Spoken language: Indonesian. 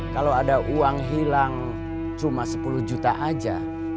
kalau ada uang hilang cuma sepuluh juta aja